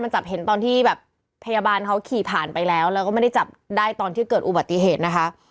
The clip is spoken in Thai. จับเห็นตอนที่แบบพยาบาลเขาขี่ผ่านไปแล้วแล้วก็ไม่ได้จับได้ตอนที่เกิดอุบัติเหตุนะคะ